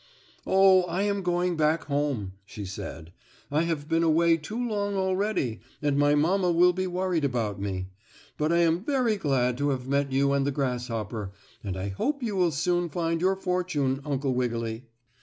"Oh, I am going back home," she said. "I have been away too long already, and my mamma will be worried about me. But I am very glad to have met you and the grasshopper, and I hope you will soon find your fortune, Uncle Wiggily."